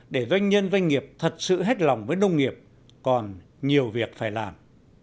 để doanh nhân doanh nghiệp thật sự hết lòng với nông nghiệp còn nhiều việc phải làm